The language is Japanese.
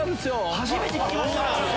初めて聞きました。